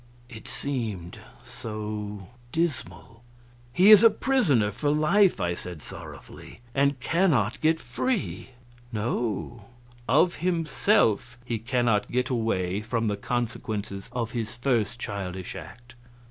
It seemed so dismal! "He is a prisoner for life," I said sorrowfully, "and cannot get free." "No, of himself he cannot get away from the consequences of his first childish act.